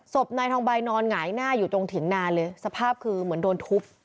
ศพนายทองใบนอนหงายหน้าอยู่ตรงถิ่นนาเลยสภาพคือเหมือนโดนทุบ